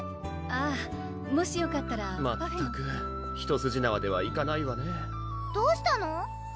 ああもしよかったらまったく一筋縄ではいかないわねどうしたの？